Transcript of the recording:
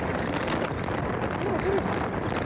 コレお取り寄せできるんですか？